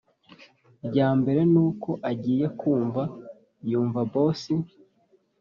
ryambere nuko agiye kumva yumva boss